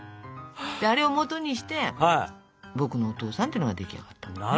であれをもとにして「ぼくのお父さん」っていうのが出来上がったんだってね。